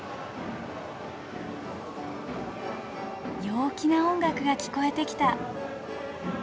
陽気な音楽が聞こえてきた。